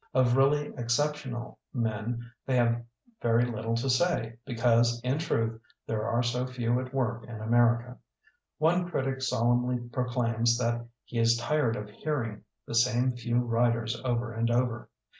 Of really exceptional men they have very little to say, because, in truth, there are so few at work in America. One critic solemnly proclaims that he is tired of hearing the same few writers over and over.